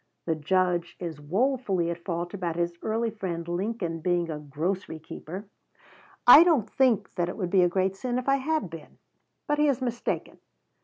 The Judge is wofully at fault about his early friend Lincoln being a "grocery keeper." I don't think that it would be a great sin if I had been; but he is mistaken.